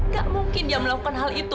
gak mungkin dia melakukan hal itu